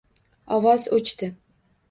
Ovoz o‘chdi.